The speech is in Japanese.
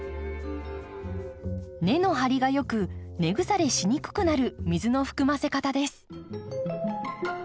根の張りがよく根腐れしにくくなる水の含ませ方です。